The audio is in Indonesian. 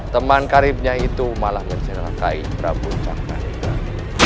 teman karibnya itu malah menyerahkai prabu cakra ningrat